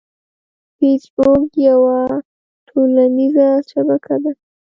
فېسبوک یوه ټولنیزه شبکه ده